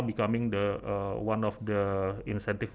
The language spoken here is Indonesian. sekarang menjadi satu insentif